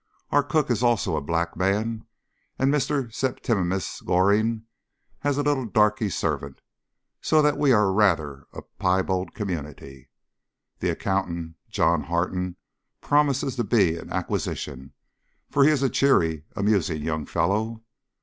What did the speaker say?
Our cook is also a black man, and Mr. Septimius Goring has a little darkie servant, so that we are rather a piebald community. The accountant, John Harton, promises to be an acquisition, for he is a cheery, amusing young fellow.